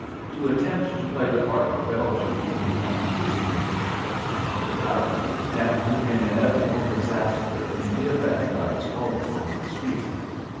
To attempt to play the part of a Belgian would become increasingly difficult, he pointed out, and would bring inevitable disaster in the event that I was called upon to speak.